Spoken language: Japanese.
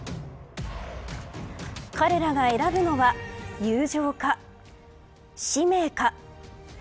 彼らが選ぶのは友情か、使命か。